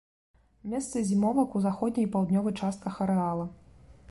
Месца зімовак у заходняй і паўднёвай частках арэала.